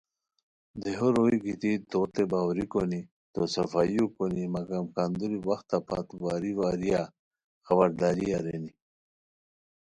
دیہو روئے گیتی توتے باووری کونی تو صفائیو کونی مگم کندوری وختہ پت واری واریہ خبرداری ارینی